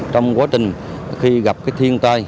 trong quá trình khi gặp cái thiên tai